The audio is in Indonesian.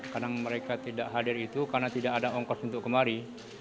karena mereka tidak hadir itu karena tidak ada ongkos untuk kemari